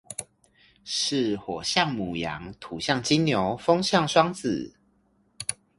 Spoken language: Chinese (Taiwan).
是火象牡羊土象金牛風象雙子